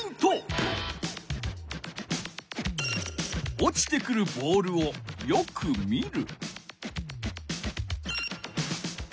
落ちてくるボールをよく見る。